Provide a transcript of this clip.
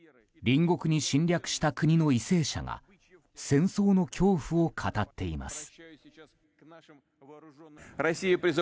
隣国に侵略した国の為政者が戦争の恐怖を語っています。